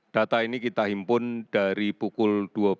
data ini kita himpun dari pukul dua belas